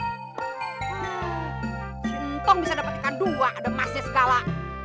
cintong bisa dapet ikan dua ada emasnya segala